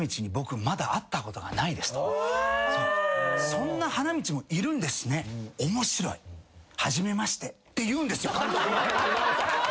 「そんな花道もいるんですね面白い」って言うんですよ監督が。